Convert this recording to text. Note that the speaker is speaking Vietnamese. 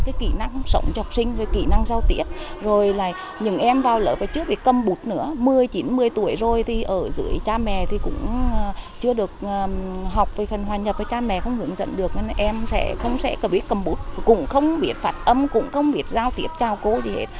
chưa được học về phần hoài nhập và cha mẹ không hướng dẫn được nên em sẽ không biết cầm bút cũng không biết phạt âm cũng không biết giao tiếp chào cô gì hết